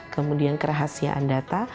kemudian kerahasiaan data